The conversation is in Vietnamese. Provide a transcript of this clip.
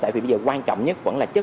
tại vì bây giờ quan trọng nhất vẫn là chất